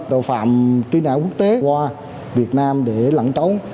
tội phạm truy nã quốc tế qua việt nam để lặng trốn